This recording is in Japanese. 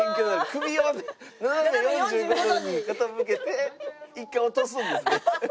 首を斜め４５度に傾けて１回落とすんですね。